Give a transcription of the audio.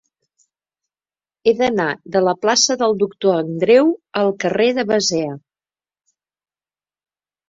He d'anar de la plaça del Doctor Andreu al carrer de Basea.